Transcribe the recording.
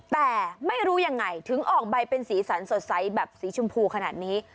แต่ไม่รู้ยังไงถึงออกใบเป็นสีสันสดใสแบบสีชมพูขนาดนี้